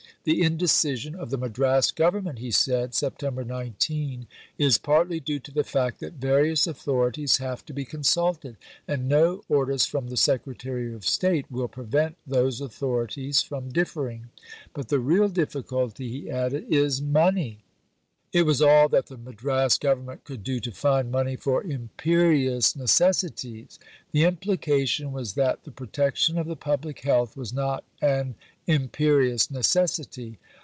"The indecision of the Madras Government," he said (Sept. 19), "is partly due to the fact that various authorities have to be consulted, and no orders from the Secretary of State will prevent those authorities from differing. But the real difficulty," he added, "is money." It was all that the Madras Government could do to find money for "imperious necessities." The implication was that the protection of the public health was not an imperious necessity.